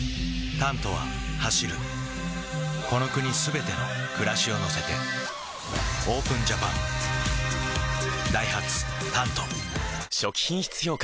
「タント」は走るこの国すべての暮らしを乗せてＯＰＥＮＪＡＰＡＮダイハツ「タント」初期品質評価